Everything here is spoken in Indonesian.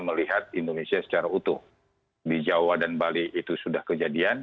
melihat indonesia secara utuh di jawa dan bali itu sudah kejadian